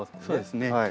そうですね。